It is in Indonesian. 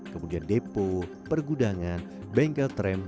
kemudian depo pergudangan bengkel tram